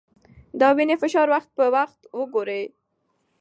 د وینې فشار وخت په وخت وګورئ.